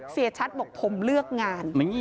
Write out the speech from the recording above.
เสียชัดบอกผมเลือกงาน